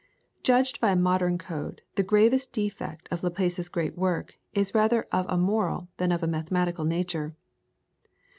Judged by a modern code the gravest defect of Laplace's great work is rather of a moral than of a mathematical nature.